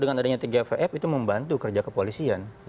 dengan adanya tgvf itu membantu kerja kepolisian